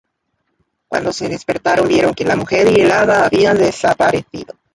Cuando se despertaron vieron que la mujer y el hada habían desaparecido.